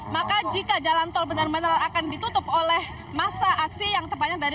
maka jika jalan tol benar benar akan ditutup oleh masa aksi yang tepatnya dari